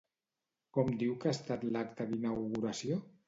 Com diu que ha estat l'acte d'inauguració?